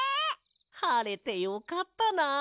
はれてよかったな。